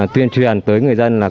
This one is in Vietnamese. tuyên truyền tới người dân